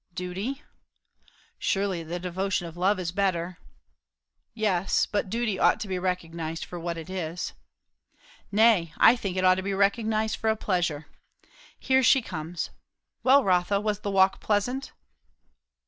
"Duty? " "Surely the devotion of love is better." "Yes . But duty ought to be recognized for what it is." "Nay, I think it ought to be recognized for a pleasure. Here she comes. Well, Rotha, was the walk pleasant?"